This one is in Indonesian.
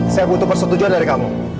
saya butuh persetujuan dari kamu